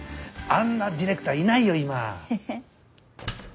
あんなディレクターいないよ